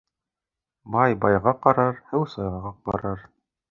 Бай байға ҡарар, һыу сайға ҡарар.